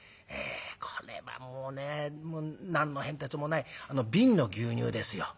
これはもうね何の変哲もない瓶の牛乳ですよ。